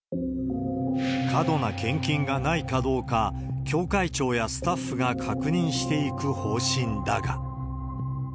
過度な献金がないかどうか、教会長やスタッフが確認していく方針だが。